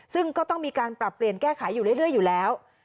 ซึ่งก็ต้องมีการปรับเปลี่ยนแก้ไขอยู่เรื่อยอยู่แล้ว